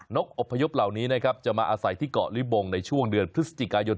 อบพยพเหล่านี้นะครับจะมาอาศัยที่เกาะลิบงในช่วงเดือนพฤศจิกายน